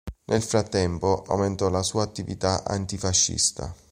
Nel frattempo aumentò la sua attività antifascista.